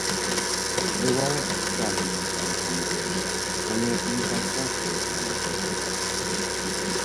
Бывае, ставім на сайт відэа, але не так часта, як нам бы хацелася.